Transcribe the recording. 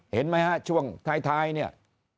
เห็นไหมฮะช่วงท้ายเนี่ย